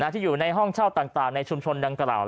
ที่อยู่ในห้องเช่าต่างในชุมชนดังกล่าว